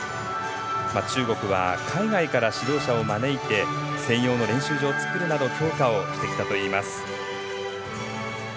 中国は海外から指導者を招いて専用の練習場を作るなど強化をしてきたといいます。